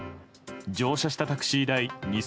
乗車したタクシー代